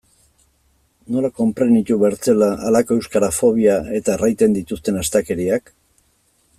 Nola konprenitu bertzela halako euskarafobia eta erraiten dituzten astakeriak?